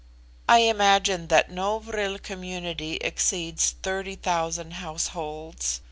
I imagine that no vril community exceeds thirty thousand households.